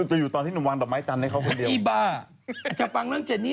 เจ้าของแล้วแกะก็จัดให้ฉัน